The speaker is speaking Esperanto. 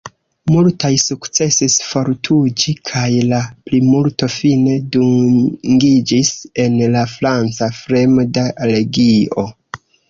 Multaj sukcesis forfuĝi kaj la plimulto fine dungiĝis en la franca fremda legio.